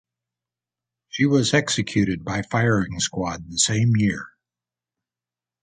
She was executed by firing squad the same year.